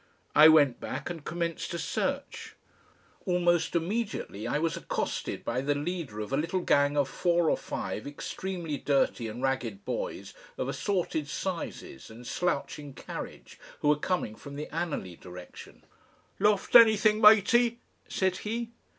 I went back and commenced a search. Almost immediately I was accosted by the leader of a little gang of four or five extremely dirty and ragged boys of assorted sizes and slouching carriage who were coming from the Anerley direction. "Lost anythink, Matey?" said he.